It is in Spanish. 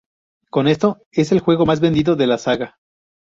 Con esto, es el juego más vendido de la saga.